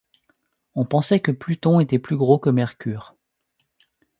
On pensait que Pluton était plus gros que Mercure.